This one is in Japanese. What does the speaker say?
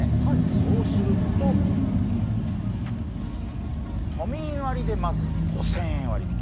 そうすると、都民割でまず５０００円割引。